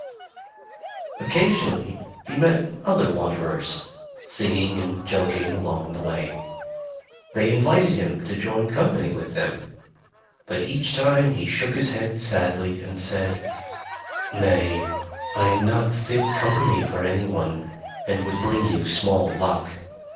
Occasionally he met other wanderers, singing and joking along the way. They invited him to join company with them, but each time he shook his head sadly and said: "Nay, I am not fit company for any one, and would bring you small luck.